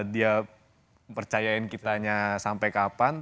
dia percayain kitanya sampai kapan